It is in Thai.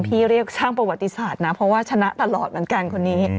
เรียกช่างประวัติศาสตร์นะเพราะว่าชนะตลอดเหมือนกันคนนี้